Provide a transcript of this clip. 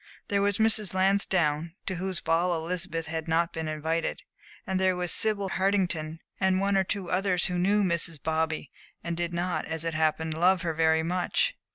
There was Mrs. Lansdowne, to whose ball Elizabeth had not been invited; and there was Sibyl Hartington, and one or two others who knew Mrs. Bobby and did not, as it happened, love her very much.